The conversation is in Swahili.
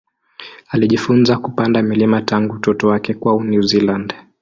Alijifunza kupanda milima tangu utoto wake kwao New Zealand.